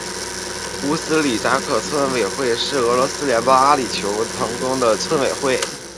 乌斯季纽克扎村委员会是俄罗斯联邦阿穆尔州腾达区所属的一个村委员会。